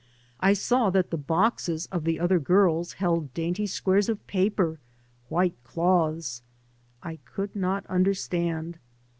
I saw that the boxes of the other g^rls held dainty squares of paper, white cloths ; I could not understand.